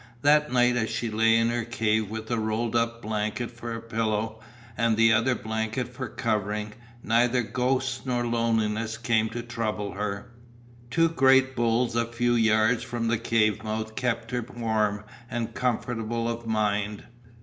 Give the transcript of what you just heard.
That night as she lay in her cave with a rolled up blanket for pillow and the other blanket for covering, neither Ghosts nor Loneliness came to trouble her. Two great bulls a few yards from the cave's mouth kept her warm and comfortable of mind.